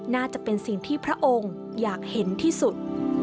น่าจะเป็นสิ่งที่พระองค์อยากเห็นที่สุด